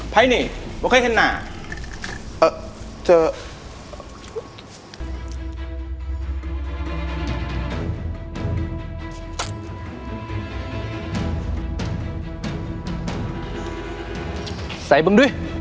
ไปไปไม่ลืมนะพี่แทน